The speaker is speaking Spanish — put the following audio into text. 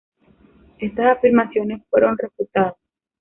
Estas afirmaciones fueron refutadas.